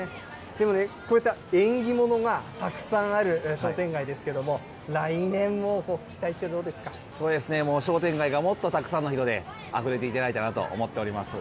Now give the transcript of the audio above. でもね、こうやった縁起物がたくさんある商店街ですけども、来年もう商店街がもっとたくさんの人であふれていただいたらと思っております。